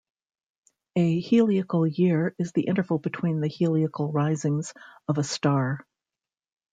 A heliacal year is the interval between the heliacal risings of a star.